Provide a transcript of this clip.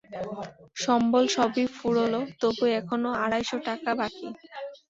সম্বল সবই ফুরোল তবু এখনো আড়াইশো টাকা বাকি।